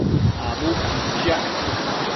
Abucquid chiac